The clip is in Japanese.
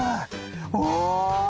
お！